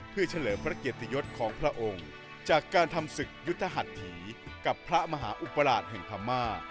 เพื่อเฉลิมพระเกียรติยศของพระองค์จากการทำศึกยุทธหัสถีกับพระมหาอุปราชแห่งพม่า